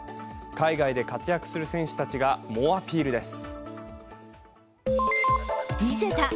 海外で活躍する選手たちが猛アピールです。